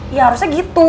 ya harusnya gitu